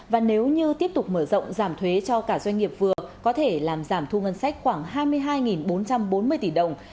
và nếu như tiếp tục mở rộng giảm thuế cho cả doanh nghiệp vừa có thể làm giảm thu ngân sách khoảng hai mươi hai bốn trăm bốn mươi tỷ đồng